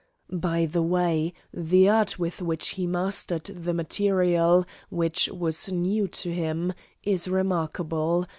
(By the way, the art with which he mastered the material, which was new to him, is remarkable.